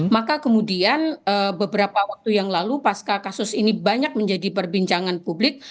maka kemudian beberapa waktu yang lalu pasca kasus ini banyak menjadi perbincangan publik